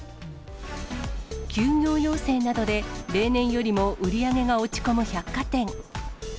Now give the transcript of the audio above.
休業要請などで、例年よりも売り上げが落ち込む百貨店。